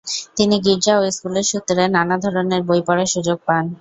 তিনি গির্জা ও স্কুলের সূত্রে নানা ধরনের বই পড়ার সুযোগ পান।